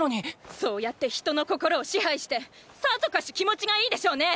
そうやって人の心を支配してさぞかし気持ちがいいでしょうねェ！